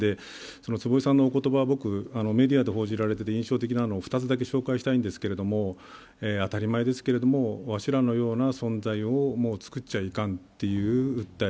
坪井さんのお言葉、よくメディアで放送されて印象的だったのを２つだけ紹介したいんですけれども、当たり前ですけれども、わしらのような存在をもう作っちゃいかんという訴え。